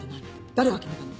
誰が決めたの？